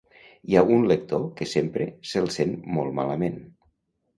Hi ha un lector que sempre se'l sent molt malament